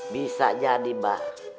bisa jadi mba